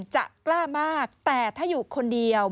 จะกล้ามากแต่ถ้าอยู่คนเดียว